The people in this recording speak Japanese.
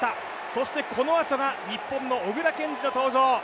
そしてこのあとが日本の小椋健司の登場。